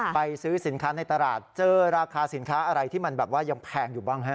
ซื้อสินค้าในตลาดเจอราคาสินค้าอะไรที่มันแบบว่ายังแพงอยู่บ้างฮะ